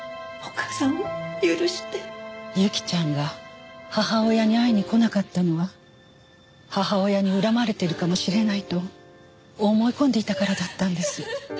侑希ちゃんが母親に会いに来なかったのは母親に恨まれてるかもしれないと思い込んでいたからだったんです。